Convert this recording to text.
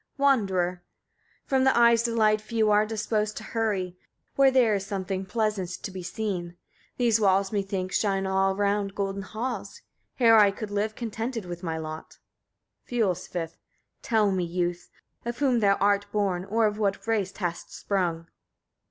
Wanderer. 5. From the eye's delight few are disposed to hurry, where there is something pleasant to be seen. These walls, methinks, shine around golden halls. Here I could live contented with my lot. Fiolsvith. 6. Tell me, youth; of whom thou art born, or of what race hast sprung.